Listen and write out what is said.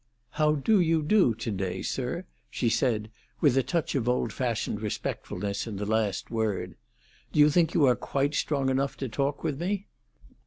"How do you do to day, sir?" she said, with a touch of old fashioned respectfulness in the last word. "Do you think you are quite strong enough to talk with me?"